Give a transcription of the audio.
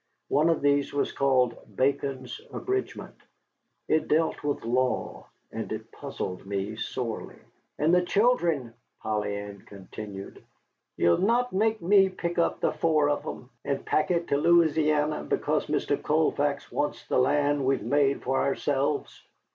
One of these was called "Bacon's Abridgment"; it dealt with law and it puzzled me sorely. "And the children," Polly Ann continued, "ye'll not make me pick up the four of 'em, and pack it to Louisiana, because Mr. Colfax wants the land we've made for ourselves."